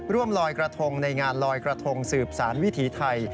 ลอยกระทงในงานลอยกระทงสืบสารวิถีไทย